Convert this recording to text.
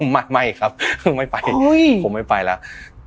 ไม่ครับไม่ไปผมไม่ไปแล้ว